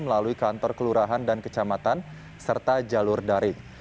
melalui kantor kelurahan dan kecamatan serta jalur daring